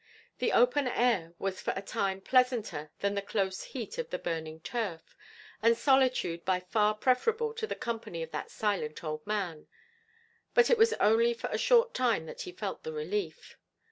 The open air was for a time pleasanter than the close heat of the burning turf, and solitude by far preferable to the company of that silent old man, but it was only for a short time that he felt the relief.